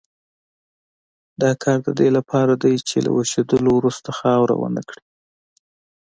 دا کار د دې لپاره دی چې له وچېدلو وروسته خاوره ونه کړي.